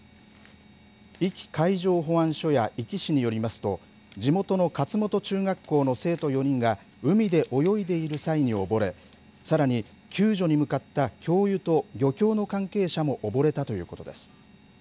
壱岐海上保安署や壱岐市によりますと、地元の勝本中学校の生徒４人が、海で泳いでいる際に溺れ、さらに救助に向かった教諭と漁協の関係者も溺れたということです。